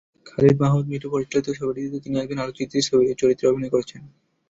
খালিদ মাহমুদ মিঠু পরিচালিত ছবিটিতেও তিনি একজন আলোকচিত্রীর চরিত্রে অভিনয় করেছেন।